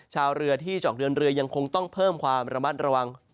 ชาวเรือที่เจาะเดินเรือยังคงต้องเพิ่มความระมัดระวัง